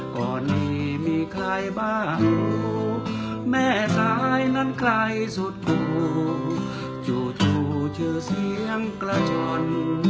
ก่อนนี้มีใครบ้างรู้แม่ทายนั้นใครสุดกู้จู่จู่ชื่อเสียงกระจ่อน